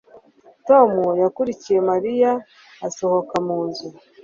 Tom yakurikiye Mariya asohoka mu nzu